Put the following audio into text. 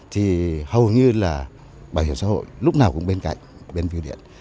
thì hầu như là bảo hiểm xã hội lúc nào cũng bên cạnh bên biêu điện